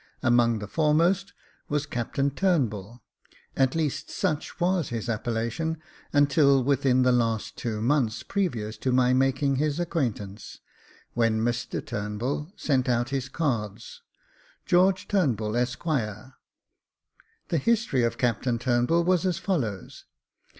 Among the foremost was Captain Turnbull, at least such was his appellation until within the last two months previous to my making his acquaintance, when Mr Turnbull sent out his cards, George Turnbull, Esq. The history of Captain Turnbull was as follows.